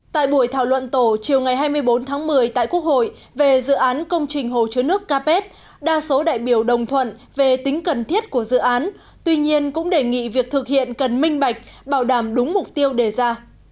tại buổi thảo luận tổ chiều ngày hai mươi bốn tháng một mươi tại quốc hội về dự án công trình hồ chứa nước capet đa số đại biểu đồng thuận về tính cần thiết của dự án tuy nhiên cũng đề nghị việc thực hiện cần minh bạch bảo đảm đúng mục tiêu đề ra